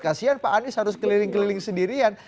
kasian pak anies harus keliling keliling sendirian